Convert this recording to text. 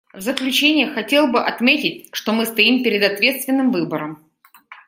В заключение хотел бы отметить, что мы стоим перед ответственным выбором.